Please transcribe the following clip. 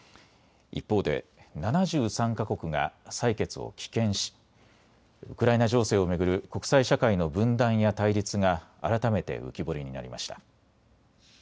一方で７３か国が採決を棄権しウクライナ情勢を巡る国際社会の分断や対立が改めて浮き彫りになりました。